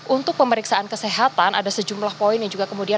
untuk pemeriksaan kesehatan ada sejumlah poin yang juga kemudian